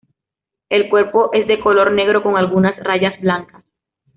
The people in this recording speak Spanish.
El cuerpo es de color negro con algunas rayas blancas.